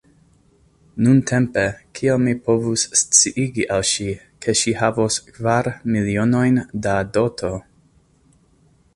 Nuntempe, kiel mi povus sciigi al ŝi, ke ŝi havos kvar milionojn da doto?